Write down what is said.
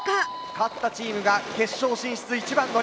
勝ったチームが決勝進出一番乗り。